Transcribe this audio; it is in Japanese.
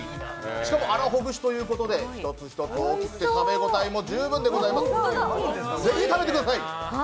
しかも、粗ほぐしということで一つ一つが大きくて食べ応えも十分です是非、食べてください！